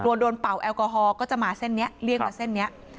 โดนเป่าแอลกอฮอลก็จะมาเส้นนี้เลี่ยงมาเส้นนี้